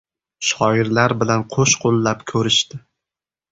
Shoirlar bilan qo‘shqo‘llab ko‘rishdi.